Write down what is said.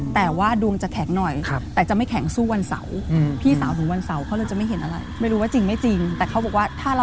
แต่ว่าดวงจะแข็งหน่อยแต่จะไม่แข็งสู้วันเสาร์